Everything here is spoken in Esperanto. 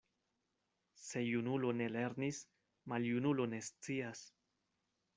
Se junulo ne lernis, maljunulo ne scias.